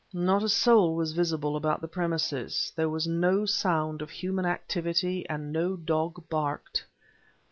Not a soul was visible about the premises; there was no sound of human activity and no dog barked.